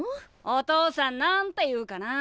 お父さん何て言うかな？